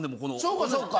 そうかそうか。